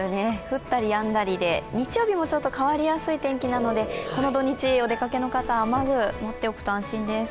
降ったりやんだりで日曜日もちょっと変わりやすい天気なのでこの土日、お出かけの方、雨具、持っておくと安心です。